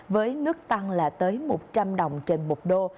với mức tăng là tới một trăm linh đồng trên một đô